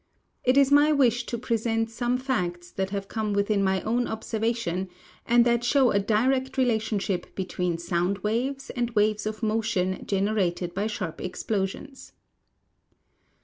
It is my wish to ju'esent some facts that have come within my own observation and that show a direct relationship between sound waves and waves of motion generated b}' sharj) explosions.